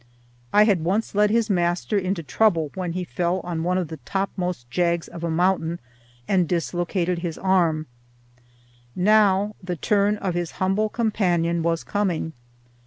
I had once led his master into trouble, when he fell on one of the topmost jags of a mountain and dislocated his arm; now the turn of his humble companion was coming.